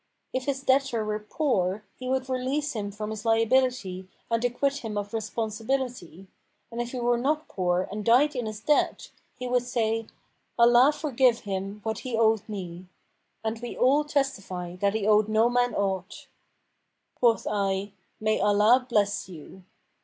If his debtor were poor, he would release him from his liability and acquit him of responsibility; and if he were not poor and died in his debt, he would say, 'Allah forgive him what he owed me!' And we all testify that he owed no man aught.' Quoth I, 'May Allah bless you!'